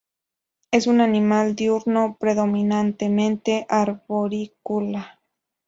Es un animal diurno predominantemente arborícola.